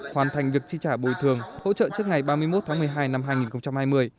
hoàn thành việc chi trả bồi thường hỗ trợ trước ngày ba mươi một tháng một mươi hai năm hai nghìn hai mươi